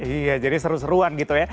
iya jadi seru seruan gitu ya